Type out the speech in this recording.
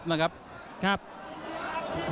อ้าวเดี๋ยวดูยก๓นะครับ